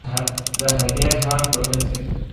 د هغې هاند و هڅې